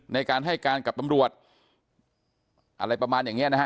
ในการให้การกับตำรวจอะไรประมาณอย่างนี้นะฮะ